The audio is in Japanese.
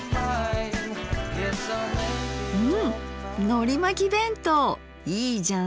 うんのりまき弁当いいじゃん。